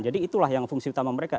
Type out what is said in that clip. jadi itulah yang fungsi utama mereka